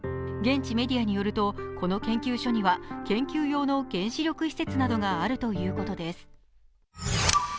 現地メディアによるとこの研究所には研究用の原子力施設などがあるということです。